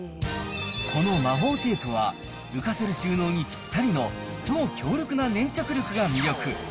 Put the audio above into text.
この魔法テープは、浮かせる収納にぴったりの超強力な粘着力が魅力。